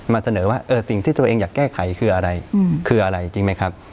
เสนอว่าสิ่งที่ตัวเองอยากแก้ไขคืออะไรคืออะไรจริงไหมครับ